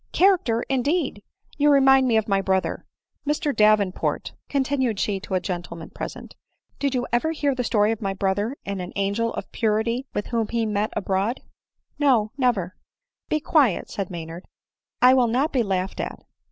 — Character, in deed ! you remind me of my brother Mr Daven? port," continued she to a gentleman present, " did you 24 274 ADELINE MOWBRAY. ever hear the story of ray brother and an angel of purity whom be met with abroad ?"" No— never." " Be quiet," said Maynard ;" I will not be laughed at."